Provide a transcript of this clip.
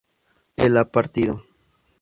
él ha partido